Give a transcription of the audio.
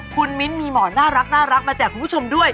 คุณมิ้นท์มีหมอน่ารักมาแจกคุณผู้ชมด้วย